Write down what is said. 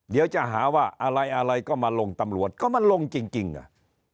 เดี๋ยวจะหาว่าอะไรอะไรก็มาลงตำรวจก็มันลงจริงอ่ะ